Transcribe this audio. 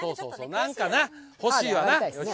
なんかなほしいわな。